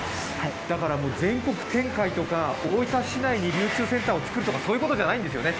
だから全国展開とか、大分市内に流通センターを作るとか、そういうことじゃないんですよね。